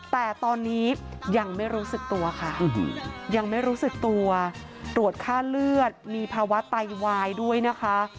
แต่ตอนนี้ยังไม่รู้สึกตัวค่ะยังไม่รู้สึกตัวตรวจค่าเลือดมีภาวะไตวายด้วยนะคะ